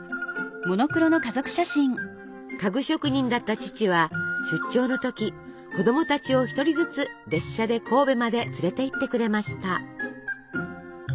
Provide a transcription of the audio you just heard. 家具職人だった父は出張の時子供たちを一人ずつ列車で神戸まで連れていってくれました。